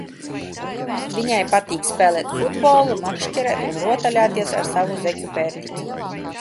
Viņai patīk spēlēt futbolu, makšķerēt un rotaļāties ar savu zeķu pērtiķīti!